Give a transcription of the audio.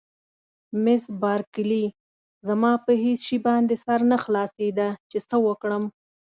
مس بارکلي: زما په هېڅ شي باندې سر نه خلاصېده چې څه وکړم.